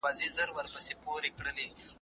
ماشوم د ونې تر ټولو ټیټې څانګې ته لاس ورساوه.